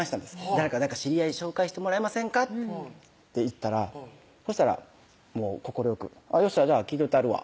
「誰か知り合い紹介してもらえませんか？」って言ったらそしたら快く「よっしゃじゃあ聞いといたるわ」